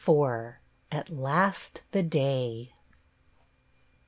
IV AT LAST THE DAY